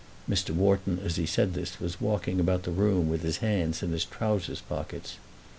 Mr. Wharton as he said this was walking about the room with his hands in his trowsers pockets.